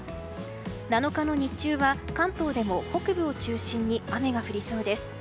７日の日中は関東でも北部を中心に雨が降りそうです。